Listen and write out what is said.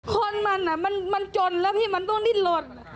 คนมันมันจนแล้วพี่มันต้องดิ้นหล่น